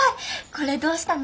これどうしたの？